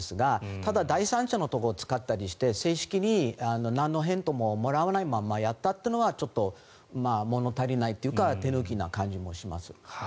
ただ第三者のところを使ったりして正式になんの返答ももらわないままやったというのはちょっと物足りないというか手抜きな感じもします。